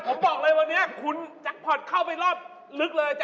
ผมบอกเลยวันนี้คุณแจ็คพอร์ตเข้าไปรอบลึกเลย